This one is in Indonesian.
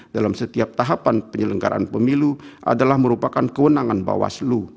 dalam setiap tahapan penyelenggaran pemilu adalah merupakan kewenangan bawah selu